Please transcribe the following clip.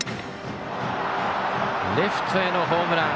レフトへのホームラン。